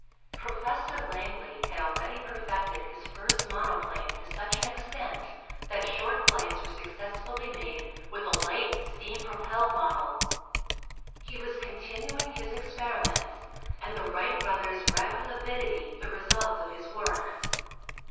Professor Langley had already perfected his first monoplane to such an extent that short flights were successfully made with a light steam propelled model. He was continuing his experiments and the Wright brothers read with avidity the results of his work.